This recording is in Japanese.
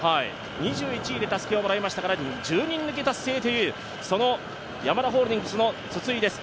２１位でたすきをもらいましたから１０人抜き達成というそのヤマダホールディングスの筒井です。